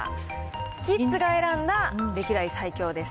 キッズが選んだ歴代最強です。